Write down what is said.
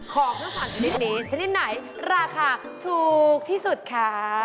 ของทั้ง๓ชนิดนี้ชนิดไหนราคาถูกที่สุดคะ